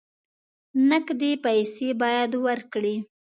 نقدې پیسې باید ورکړې.